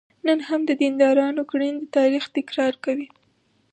نن هم د دیندارانو کړنې د تاریخ تکرار کوي.